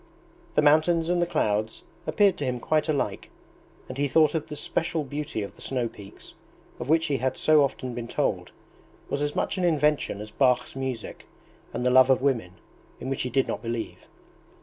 The mountains and the clouds appeared to him quite alike, and he thought the special beauty of the snow peaks, of which he had so often been told, was as much an invention as Bach's music and the love of women, in which he did not believe.